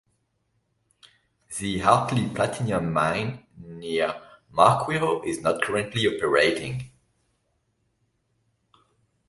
The Hartley Platinum Mine near Makwiro is not currently operating.